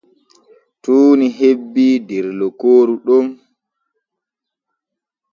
Tuuni hebbii der lokooru ɗon.